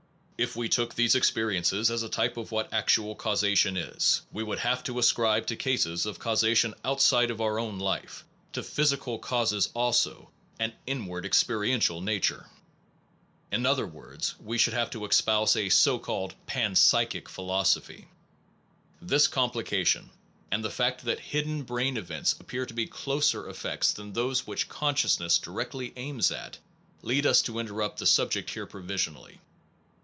If we took these experiences as the type of what actual causation is, we should have to as cribe to cases of causation outside of our own life, to physical cases also, an inwardly experi ential nature. In other words we should have to espouse a so called pan psychic 5 philosophy. This complication, and the fact that hidden 218 NOVELTY AND CAUSATION brain events appear to be closer effects than those which consciousness directly aims at, lead us to interrupt the subject here provisionally.